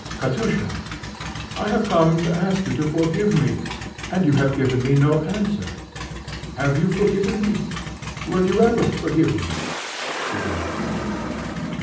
"Katusha, I have come to ask you to forgive me, and you have given me no answer. Have you forgiven me? Will you ever forgive me?" he asked.